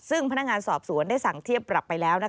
ซึ่งพนักงานสอบสวนได้สั่งเทียบปรับไปแล้ว